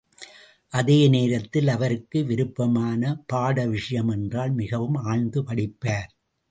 அதேநேரத்தில் அவருக்கு விருப்பமான பாடவிஷயம் என்றால் மிகவும் ஆழ்ந்து படிப்பார்!